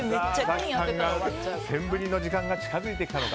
センブリの時間が近づいてきたのか。